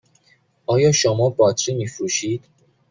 آیا شما باطری می فروشید؟